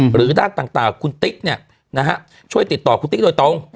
หรือด้านต่างคุณติ๊กช่วยติดต่อคุณติ๊กโดยตรง